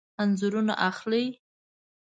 انځورونه اخلئ؟